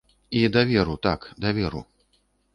І даверу, так, даверу.